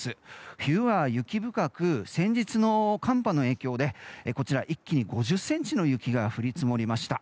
冬は雪深く先日の寒波の影響で一気に５０ｃｍの雪が降り積もりました。